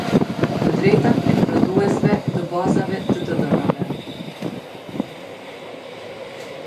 Të drejtat e prodhuesve të bazave të të dhënave.